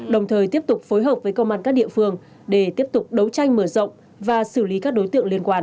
đồng thời tiếp tục phối hợp với công an các địa phương để tiếp tục đấu tranh mở rộng và xử lý các đối tượng liên quan